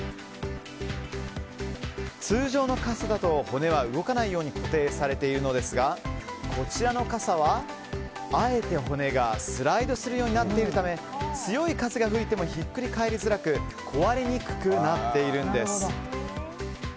通常の傘だと骨は動かないように固定されているのですがこちらの傘はあえて骨がスライドするようになっているため強い風が吹いてもひっくり返りづらく壊れにくくなっているんです。